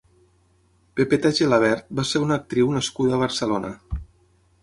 Pepeta Gelabert va ser una actriu nascuda a Barcelona.